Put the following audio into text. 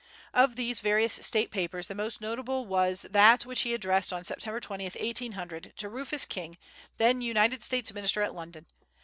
Of these various State papers the most notable was that which he addressed on Sept. 20, 1800, to Rufus King, then United States Minister at London.